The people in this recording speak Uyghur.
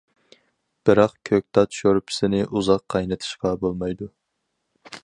بىراق كۆكتات شورپىسىنى ئۇزاق قاينىتىشقا بولمايدۇ.